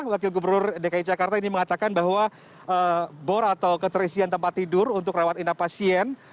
wakil gubernur dki jakarta ini mengatakan bahwa bor atau keterisian tempat tidur untuk rawatan covid sembilan belas